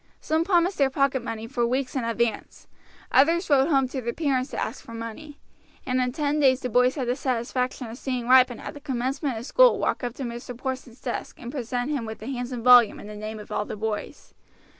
Some promised their pocket money for weeks in advance; others wrote home to their parents to ask for money, and in ten days the boys had the satisfaction of seeing Ripon at the commencement of school walk up to Mr. Porson's desk and present him with the handsome volume in the name of all the boys.